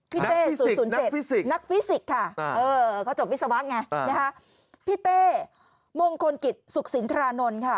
เต้๐๐๗นักฟิสิกส์ค่ะเขาจบวิศวะไงนะคะพี่เต้มงคลกิจสุขสินทรานนท์ค่ะ